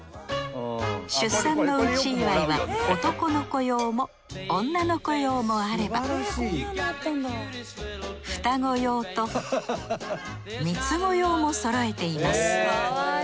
出産の内祝いは男の子用も女の子用もあれば双子用と三つ子用も揃えています。